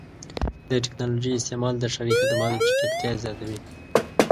د ټکنالوژۍ استعمال د ښاري خدماتو چټکتیا زیاتوي.